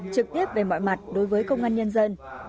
trực tiếp về mọi mặt đối với công an nhân dân